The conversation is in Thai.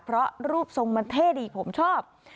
เพราะรูปทรงมันเท่ดีผมชอบ